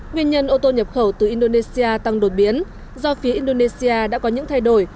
nguyên nhân ô tô nhập khẩu từ indonesia tăng đột biến do phía indonesia đã có những thay đổi